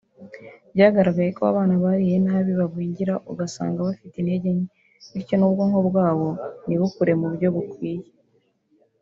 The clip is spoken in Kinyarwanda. byagaragaye ko abana bariye nabi bagwingira ugasanga bafite intege nke bityo n’ubwonko bwabo ntibukure mu buryo bukwiye